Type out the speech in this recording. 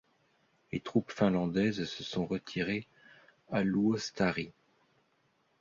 Les troupes finlandaises se sont retirées à Luostari.